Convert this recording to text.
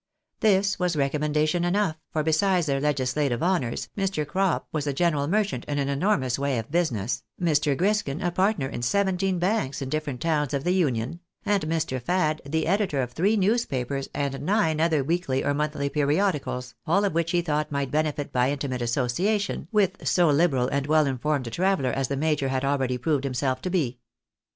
This was recommendation enough, for besides their legislative honours, Mr. Crop was a general merchant in an enormous way of business, Mr. Griskin a partner in seventeen banks in different towns of the Union, and Mr. Fad the editor of three newspapers, and nine other weekly or monthly periodicals, all of which he thought might benefit by intimate association with so liberal and well informed a traveller as the major had already proved himself to be.